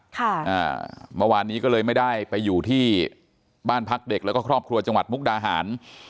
ค่ะอ่าเมื่อวานนี้ก็เลยไม่ได้ไปอยู่ที่บ้านพักเด็กแล้วก็ครอบครัวจังหวัดมุกดาหาร